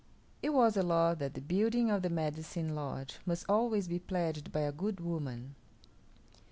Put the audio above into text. It was the law that the building of the Medicine Lodge must always be pledged by a good woman.